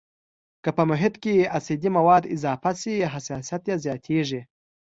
که په محیط کې اسیدي مواد اضافه شي حساسیت یې زیاتیږي.